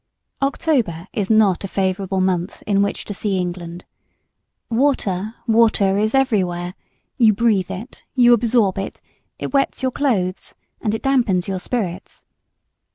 October is not a favorable month in which to see England. Water, water is everywhere; you breathe it, you absorb it; it wets your clothes and it dampens your spirits.